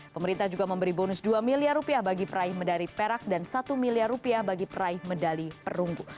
pemerintah juga memberi bonus dua miliar rupiah bagi peraih medali perak dan satu miliar rupiah bagi peraih medali perunggu